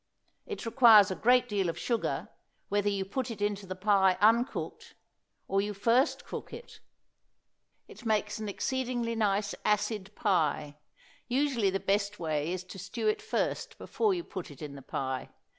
It requires a great deal of sugar, whether you put it into the pie uncooked, or you first cook it. It makes an exceedingly nice acid pie. Usually the best way is to stew it first before you put it in the pie.